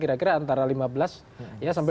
kira kira antara lima belas sampai dua puluh